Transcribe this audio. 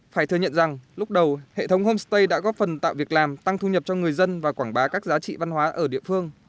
phải thừa nhận rằng lúc đầu hệ thống homestay đã góp phần tạo việc làm tăng thu nhập cho người dân và quảng bá các giá trị văn hóa ở địa phương